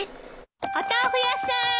お豆腐屋さーん！